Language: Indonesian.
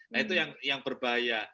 nah itu yang berbahaya